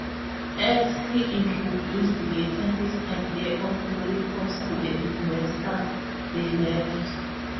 As he introduced later his idea of lollipops to the investors, they left.